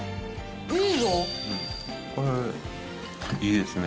これ、いいですね。